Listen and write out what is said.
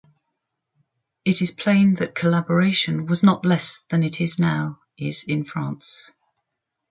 It is plain that collaboration was not less than it now is in France.